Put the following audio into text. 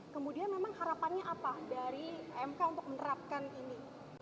kemudian memang harapannya apa dari mk untuk menerapkan ini